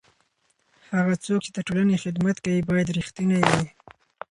هغه څوک چې د ټولنې خدمت کوي باید رښتینی وي.